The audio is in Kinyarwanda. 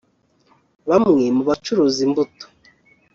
Bamwe mu bacuruza imbuto